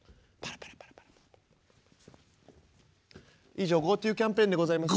「以上『ＧｏＴｏキャンペーン』でございます」。